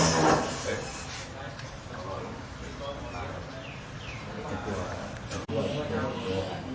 สวัสดีครับทุกคน